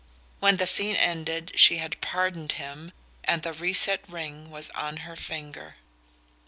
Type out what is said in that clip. When the scene ended she had pardoned him, and the reset ring was on her finger...